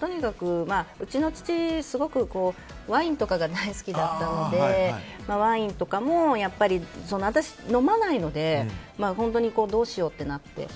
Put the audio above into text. とにかくうちの父、すごくワインとかが大好きだったのでワインとかも、私は飲まないので本当にどうしようってなって。